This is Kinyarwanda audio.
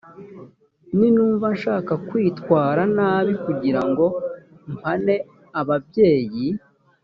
ninumva nshaka kwitwara nabi kugira ngo mpane ababyeyi